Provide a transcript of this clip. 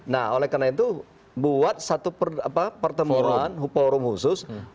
nah oleh karena itu buat satu pertemuan forum khusus